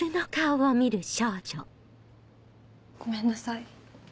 ごめんなさい。